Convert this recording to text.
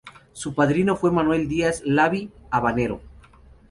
Su padrino fue Manuel Díaz Lavi "Habanero".